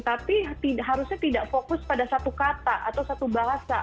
tapi harusnya tidak fokus pada satu kata atau satu bahasa